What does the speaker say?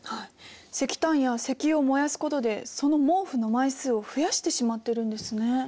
石炭や石油を燃やすことでその毛布の枚数を増やしてしまってるんですね。